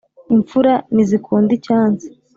imfura Nizikunde icyansi